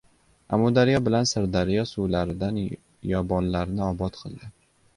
Amudaryo bilan Sirdaryo suvlaridan yobonlarni obod qildi.